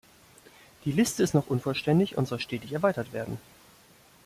Die Liste ist noch unvollständig und soll stetig erweitert werden.